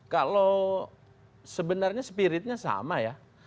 kalau sebenarnya spiritnya sama ya